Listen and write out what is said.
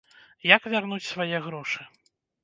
Як вярнуць свае грошы?